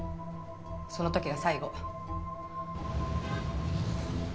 その時が最後。